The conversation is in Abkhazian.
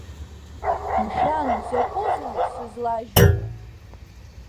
Мшәан, закузеи, сызлажьу!